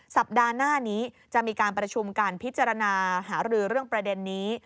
สัปดาห์หน้านี้จะมีการประชุมการพิจารณาหารือเรื่องประเด็นนี้